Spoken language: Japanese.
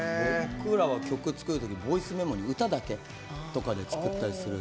僕らは曲作るときにボイスメモに歌だけとかで作ったりする。